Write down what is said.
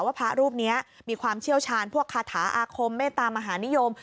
พระรูปนี้มีความเชี่ยวชาญพวกคาถาอาคมเมตามหานิยม